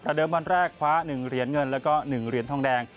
เดิมวันแรกคว้า๑เหรียญเงินแล้วก็๑เหรียญทองแดง